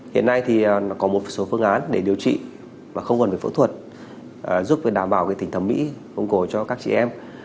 hiện nay thì có một số phương án để điều trị mà không cần phẫu thuật giúp đảm bảo tình thẩm mỹ công cổ cho các chị em